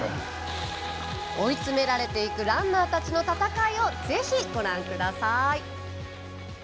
追い詰められていくランナーたちの闘いをぜひ、ご覧ください。